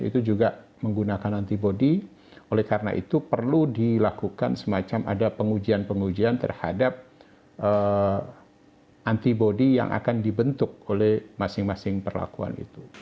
itu juga menggunakan antibody oleh karena itu perlu dilakukan semacam ada pengujian pengujian terhadap antibody yang akan dibentuk oleh masing masing perlakuan itu